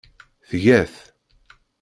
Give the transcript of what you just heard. Tga-t.